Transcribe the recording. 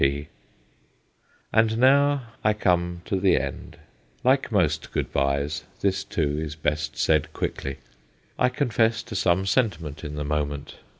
P. And now I come to the end. Like most good byes, this, too, is best said quickly. I confess to some sentiment in the moment.